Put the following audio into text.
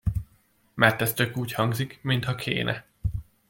Mert ez tök úgy hangzik, mintha kéne.